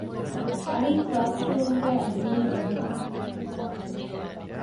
އައި ކްލާސްރޫމުގައި ގްރިލް ޖެހުމަށް